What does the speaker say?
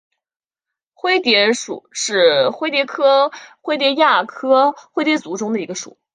灰蝶属是灰蝶科灰蝶亚科灰蝶族中的一个属。